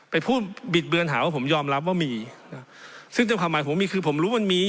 ไปพูดบิดเบือนหาว่าผมยอมรับว่ามีนะซึ่งเจ้าความหมายผมมีคือผมรู้มันมี